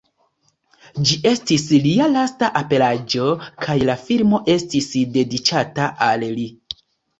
Ĝi estis lia lasta aperaĵo, kaj la filmo estis dediĉata al li.